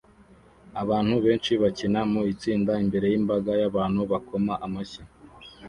Abantu benshi bakina mu itsinda imbere yimbaga y'abantu bakoma amashyi